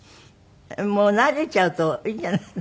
もう慣れちゃうといいんじゃないの？